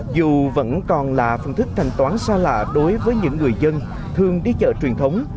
dù vẫn còn là phương thức thanh toán xa lạ đối với những người dân thường đi chợ truyền thống